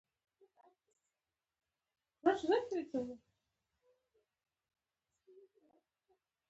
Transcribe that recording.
د افغانستان په منظره کې اوښ ډېر ښکاره دی.